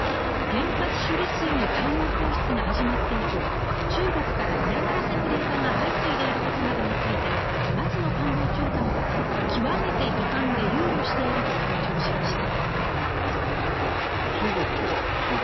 原発処理水の海洋放出が始まって以降中国から嫌がらせの電話が相次いでいることなどについて松野官房長官は「極めて遺憾で憂慮している」と強調しました。